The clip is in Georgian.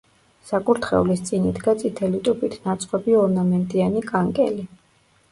საკურთხევლის წინ იდგა წითელი ტუფით ნაწყობი ორნამენტიანი კანკელი.